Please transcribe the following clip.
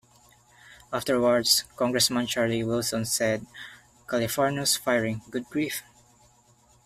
Afterwards, Congressman Charlie Wilson said of Califano's firing- Good grief!